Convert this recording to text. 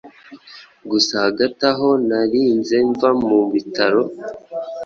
Gusa hagati aho narinze mva mu bitaro